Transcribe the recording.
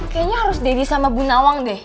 kayaknya harus daddy sama bunawang deh